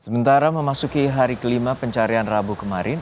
sementara memasuki hari kelima pencarian rabu kemarin